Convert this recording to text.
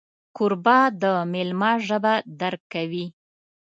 کوربه د میلمه ژبه درک کوي.